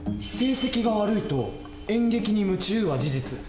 「成績が悪い」と「演劇に夢中」は事実。